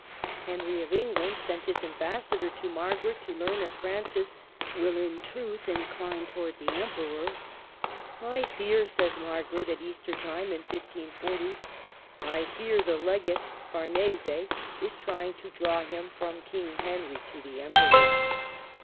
Henry of England sent his ambassador to Margaret to learn if Francis will in truth incline towards the Emperor. *' I fear," says Margaret at Easter time in 1540, —I fear the Legate Farnese is trying to draw him from King Henry to the Emperor."